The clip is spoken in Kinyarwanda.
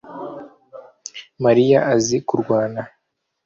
Mariya azi kurwana